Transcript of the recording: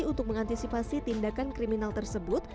untuk mengantisipasi tindakan kriminal tersebut